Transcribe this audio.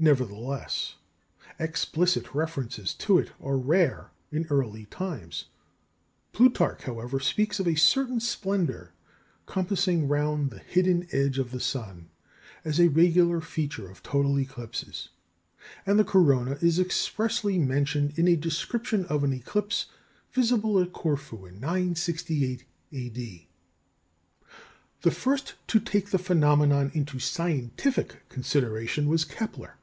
Nevertheless, explicit references to it are rare in early times. Plutarch, however, speaks of a "certain splendour" compassing round the hidden edge of the sun, as a regular feature of total eclipses; and the corona is expressly mentioned in a description of an eclipse visible at Corfu in 968 A.D. The first to take the phenomenon into scientific consideration was Kepler.